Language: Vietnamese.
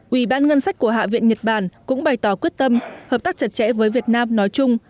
ủy ban ngân sách của hạ viện nhật bản cũng bày tỏ quyết tâm hợp tác chặt chẽ với việt nam nói chung